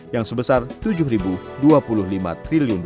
yang sebesar rp tujuh dua puluh lima triliun